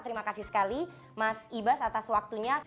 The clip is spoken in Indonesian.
terima kasih sekali mas ibas atas waktunya